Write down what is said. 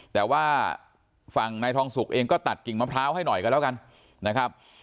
แต่ว่าฝั่งนายทองสุกเองก็ตัดกิ่งมะพร้าวให้หน่อยกันแล้วกันนะครับ